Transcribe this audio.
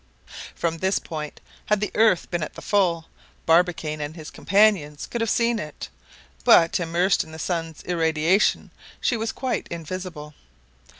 From this point, had the earth been at the full, Barbicane and his companions could have seen it, but immersed in the sun's irradiation she was quite invisible.